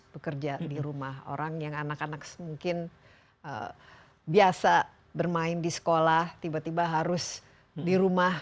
bekerja di rumah orang yang anak anak mungkin biasa bermain di sekolah tiba tiba harus di rumah